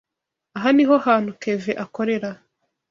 Aha niho hantu Kevin akorera.